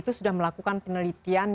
itu sudah melakukan penelitian